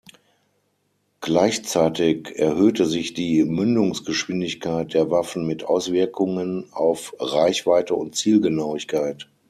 Gleichzeitig erhöhte sich die Mündungsgeschwindigkeit der Waffen mit Auswirkungen auf Reichweite und Zielgenauigkeit.